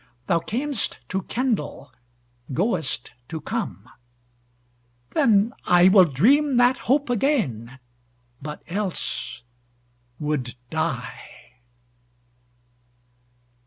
Thou cam'st to kindle, goest to come: then IWill dream that hope again, but else would die.